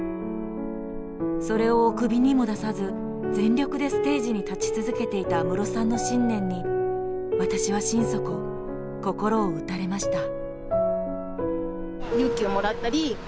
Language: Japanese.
それをおくびにも出さず全力でステージに立ち続けていた安室さんの信念に私は心底心を打たれました。